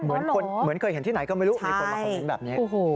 เหมือนเหมือนเคยเห็นที่ไหนก็ไม่รู้ใช่มีคนมาคอมเมนต์แบบเนี้ยโอ้โห